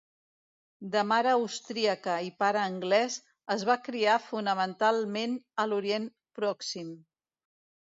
De mare austríaca i pare anglès es va criar fonamentalment a l'Orient Pròxim.